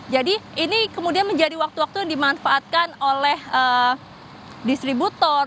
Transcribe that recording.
jadi ini kemudian menjadi waktu waktu yang dimanfaatkan oleh distributor